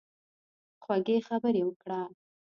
خوږې خبرې وکړه.